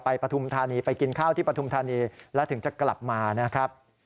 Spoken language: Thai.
ปฐุมธานีไปกินข้าวที่ปฐุมธานีแล้วถึงจะกลับมานะครับ